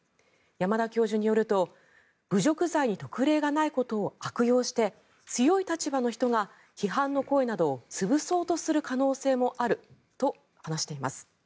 山田教授によると侮辱罪に特例がないことを悪用して強い立場の人が批判の声などを潰そうとする可能性もあると話しています。